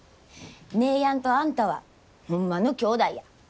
姉やんとあんたはホンマのきょうだいや。